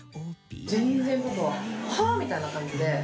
全然パパは、はあ？みたいな感じで。